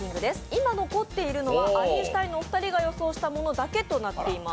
今残っているのはアインシュタインの２人が予想したものだけです。